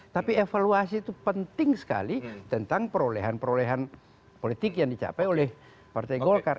tapi evaluasi itu penting sekali tentang perolehan perolehan politik yang dicapai oleh partai golkar